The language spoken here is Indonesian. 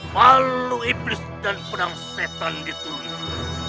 malu iblis dan pedang setan ditunjuk